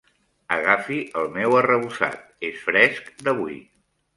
Agafi el meu arrebossat, és fresc d'avui.